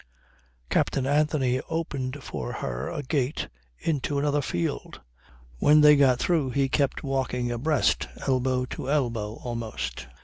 Captain Anthony opened for her a gate into another field; when they got through he kept walking abreast, elbow to elbow almost.